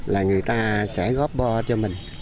là người ta sẽ góp bò cho mình